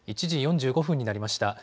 １時４５分になりました。